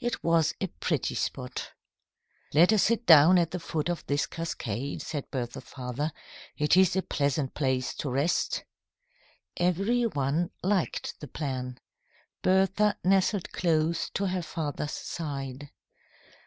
It was a pretty spot. "Let us sit down at the foot of this cascade," said Bertha's father. "It is a pleasant place to rest." Every one liked the plan. Bertha nestled close to her father's side.